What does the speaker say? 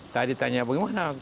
tadi tanya bagaimana pak